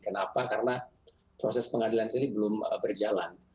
kenapa karena proses pengadilan sendiri belum berjalan